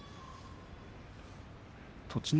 栃ノ